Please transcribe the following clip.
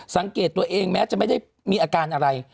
สังเกตตัวเองแม้จะไม่ได้มีอาการอะไร